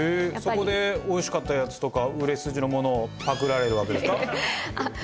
そこでおいしかったやつとか売れ筋のものをパクられるわけですか？